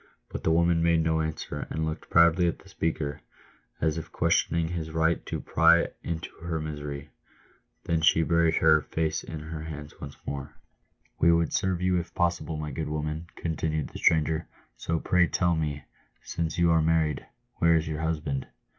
But the woman made no, answer, and looked proudly at the speaker, as if questioning his right to pry into her misery. Then she buried her face in her hands once more. " "We would serve you if possible, my good woman," continued the stranger; "so pray tell me, since you are married, where is your husband